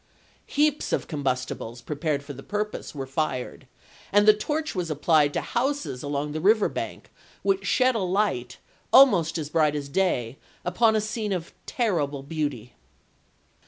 Heaps of combustibles, prepared for the purpose, were fired, and the torch was applied to houses along the river bank, which shed a light, almost as bright as day, upon a scene of terrible beauty.